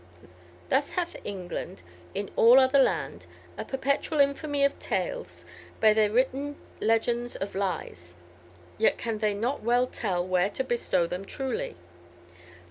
Thus hath England in all other land a perpetual infamy of tayles by theye wrytten legendes of lyes, yet can they not well tell where to bestowe them truely."